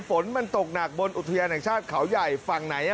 ฝนมันตกหนักบนอุทยานแห่งชาติเขาใหญ่ฝั่งไหน